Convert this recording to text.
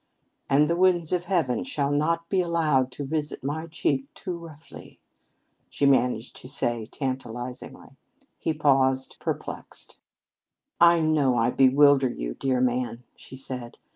"And the winds of heaven shall not be allowed to visit my cheek too roughly," she managed to say tantalizingly. He paused, perplexed. "I know I bewilder you, dear man," she said.